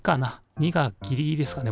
２がギリギリですかね